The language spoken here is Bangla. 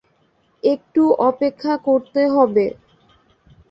একটু অপেক্ষা করতে হবে।